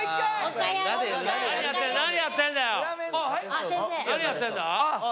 何やってんだ？